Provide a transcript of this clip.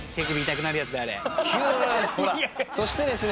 そしてですね